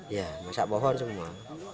iya masak pohon semua